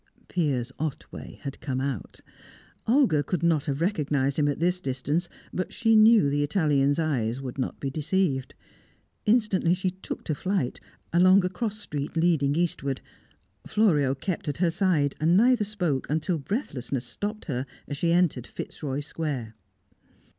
Piers Otway had come out. Olga could not have recognised him at this distance, but she knew the Italian's eyes would not be deceived. Instantly she took to flight, along a cross street leading eastward. Florio kept at her side, and neither spoke until breathlessness stopped her as she entered Fitzroy Square.